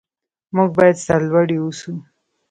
موږ باید سرلوړي اوسو.